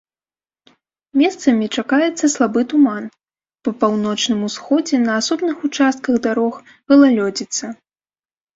Месцамі чакаецца слабы туман, па паўночным усходзе на асобных участках дарог галалёдзіца.